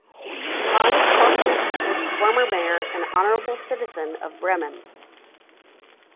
Hans Koschnick was the former mayor and Honorable citizen of Bremen.